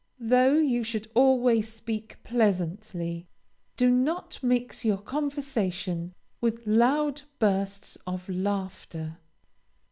Though you should always speak pleasantly, do not mix your conversation with loud bursts of laughter.